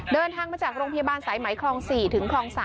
เดินทางมาจากโรงพยาบาลสายไหมคลอง๔ถึงคลอง๓